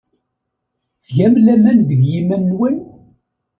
Tgam laman deg yiman-nwen?